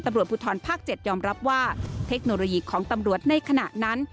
ตำรวจภูทรภาค๗ยอมรับว่าเทคโนโลยีของตำรวจในขณะนั้น